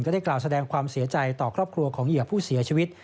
ได้กล่าวแสดงความเสียใจต่อครอบครัวของเหยื่อผู้เสียชีวิต